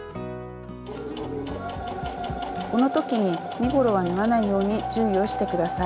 この時に身ごろは縫わないように注意をして下さい。